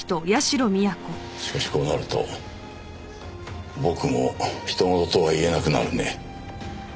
しかしこうなると僕も他人事とは言えなくなるね。